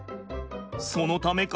そのためか。